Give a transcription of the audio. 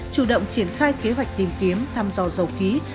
chủ động triển khai kế hoạch tìm kiếm thăm dò dầu khí